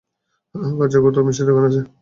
কাছে কোথাও মিষ্টির দোকান আছে?